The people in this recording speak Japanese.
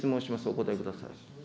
お答えください。